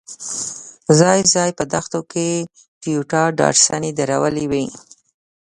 ځای ځای په دښتو کې ټویوټا ډاډسنې درولې وې.